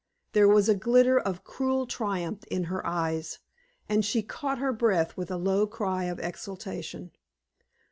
There was a glitter of cruel triumph in her eyes, and she caught her breath with a low cry of exultation.